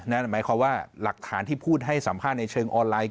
หมายความว่าหลักฐานที่พูดให้สัมภาษณ์ในเชิงออนไลน์